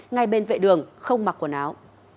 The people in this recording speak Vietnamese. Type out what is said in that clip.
ngay bên vệ đường không mặc quần áo